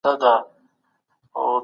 دا دروازه مي په کلید خلاصه کړه.